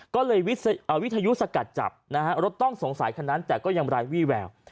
ก็เลยวิทยุสกัดจับนะฮะรถต้องสงสัยคันนั้นแต่ก็ยังไร้วี่แวว